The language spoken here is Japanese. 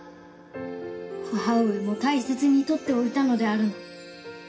母上も大切に取っておいたのであるな。